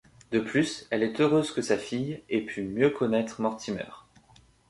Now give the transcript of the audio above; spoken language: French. De plus, elle est heureuse que sa fille ait pu mieux connaitre Mortimer.